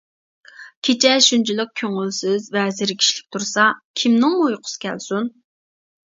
كېچە شۇنچىلىك كۆڭۈلسىز ۋە زېرىكىشلىك تۇرسا كىمنىڭمۇ ئۇيقۇسى كەلسۇن.